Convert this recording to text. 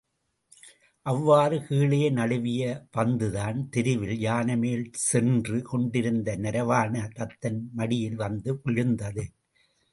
அவ்வாறு கீழே நழுவிய பந்துதான், தெருவில் யானைமேல் சென்று கொண்டிருந்த நரவாண தத்தன் மடியில் வந்து விழுந்தது.